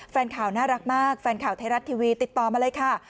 แฟนข่าวน่ารักมากแฟนข่าวไทยรัฐทีวีติดต่อมาเลยค่ะ